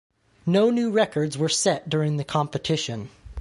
No new records were set during the competition.